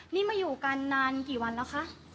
นี่มาอยู่กันนานกี่วันแล้วคะ